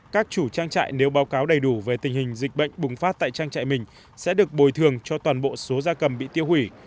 các chủ trang trại nếu báo cáo đầy đủ về tình hình dịch bệnh bùng phát tại trang trại mình sẽ được bồi thường cho toàn bộ số gia cầm bị tiêu hủy